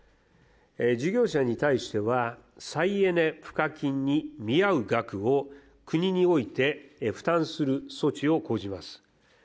事業者に対しては、再エネ賦課金に見合う額を国において負担する措置を講じます。